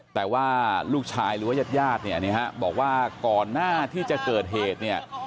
แต่ว่าลูกชายหรือว่ายาดบอกว่าก่อนหน้าที่จะเกิดเหตุ